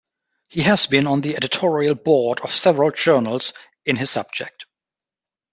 He has been on the editorial board of several journals in his subject.